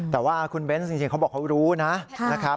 แต่ว่าคุณเบ้นจริงเขาบอกเขารู้นะ